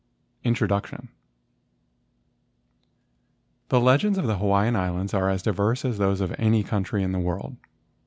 INTRODUCTION The legends of the Hawaiian Islands are as diverse as those of any country in the world.